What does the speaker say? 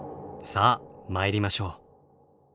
さあ参りましょう。